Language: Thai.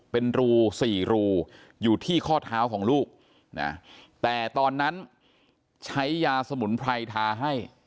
เป็นรูสี่รูอยู่ที่ข้อเท้าของลูกนะแต่ตอนนั้นใช้ยาสมุนไพรทาให้